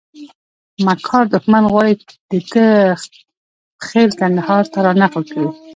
مکار دښمن غواړي دته خېل کندهار ته رانقل کړي.